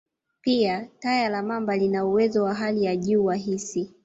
Pia, taya la mamba lina uwezo wa hali ya juu wa hisi.